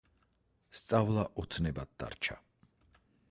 სწავლა ოცნებად დარჩა.